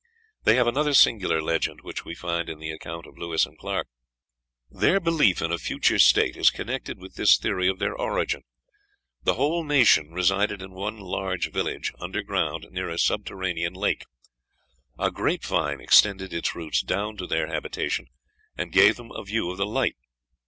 They have another singular legend, which we find in the account of Lewis and Clarke: "Their belief in a future state is connected with this theory of their origin: The whole nation resided in one large village, underground, near a subterranean lake. A grape vine extended its roots down to their habitation, and gave them a view of the light.